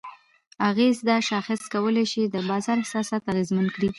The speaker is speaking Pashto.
اغېز: دا شاخص کولی شي د بازار احساسات اغیزمن کړي؛